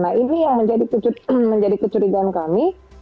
nah ini yang menjadi kecurigaan kami